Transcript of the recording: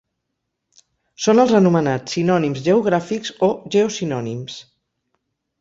Són els anomenats sinònims geogràfics o geosinònims.